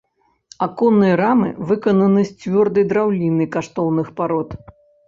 Аконныя рамы выкананы з цвёрдай драўніны каштоўных парод.